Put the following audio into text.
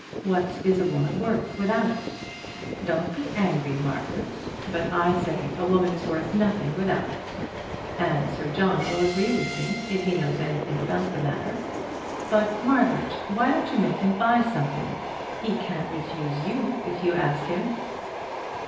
What is a woman worth without it? Don't be angry, Margaret, but I say a woman is worth nothing without it, and Sir John will agree with me if he knows anything about the matter. But, Margaret, why don't you make him buy something? He can't refuse you if you ask him."